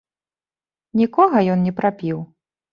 Нікога ён не прапіў.